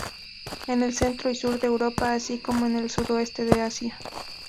En el centro y sur de Europa, así como en el sudoeste de Asia.